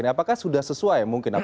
apakah sudah sesuai mungkin